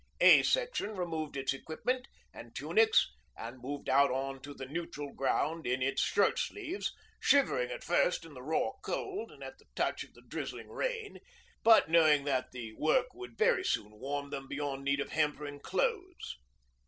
'A' section removed its equipment and tunics and moved out on to the 'neutral' ground in its shirt sleeves, shivering at first in the raw cold and at the touch of the drizzling rain, but knowing that the work would very soon warm them beyond need of hampering clothes.